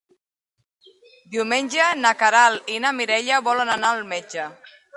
Diumenge na Queralt i na Mireia volen anar al metge.